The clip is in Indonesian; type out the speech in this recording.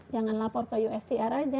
jangan lapor ke usdr aja